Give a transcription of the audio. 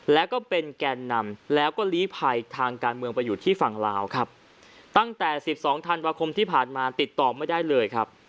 แล้วก็เป็นแกนนำแล้วก็ลีภัยทางการเมืองไปอยู่ที่ฝั่งลาวครับตั้งแต่สิบสองธันวาคมที่ผ่านมาติดต่อไม่ได้เลยครับ